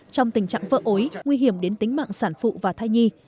trong tình trạng vỡ ối nguy hiểm đến tính mạng sản phụ và thai nhi